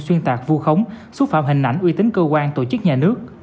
xuyên tạc vu khống xúc phạm hình ảnh uy tín cơ quan tổ chức nhà nước